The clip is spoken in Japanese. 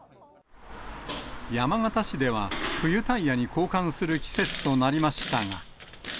山形市では冬タイヤに交換する季節となりましたが。